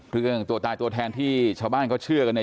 เรื่องตัวตายตัวแทนที่ชาวบ้านเขาเชื่อกันเนี่ย